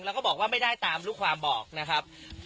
แล้วก็บอกว่าไม่ได้ตามลูกความบอกนะครับ